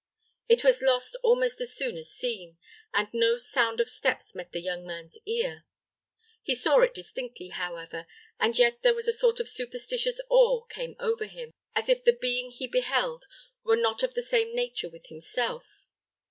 It was lost almost as soon as seen, and no sound of steps met the young man's ear. He saw it distinctly, however, and yet there was a sort of superstitious awe came over him, as if the being he beheld were not of the same nature with himself.